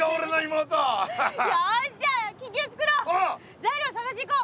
材料探しにいこう！